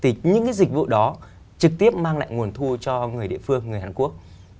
thì những cái dịch vụ đó trực tiếp mang lại nguồn thu cho người địa phương người hàn quốc